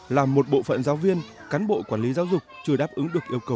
là một bộ phận giáo viên cán bộ quản lý giáo dục chưa đáp ứng được yêu cầu